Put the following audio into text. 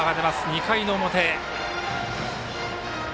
２回の表。